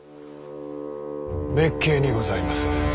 滅敬にございます。